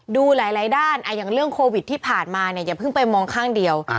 ดูหลายด้านอย่างเรื่องโควิดที่ผ่านมาเนี่ยอย่าเพิ่งไปมองข้างเดียว